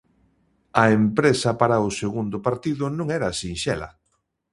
A empresa para o segundo partido non era sinxela.